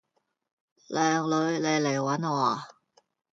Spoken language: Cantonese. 靚女，你嚟搵我呀